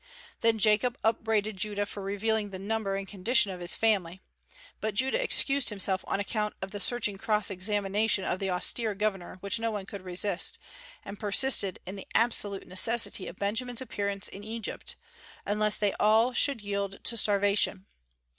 Then Jacob upbraided Judah for revealing the number and condition of his family; but Judah excused himself on account of the searching cross examination of the austere governor which no one could resist, and persisted in the absolute necessity of Benjamin's appearance in Egypt, unless they all should yield to starvation.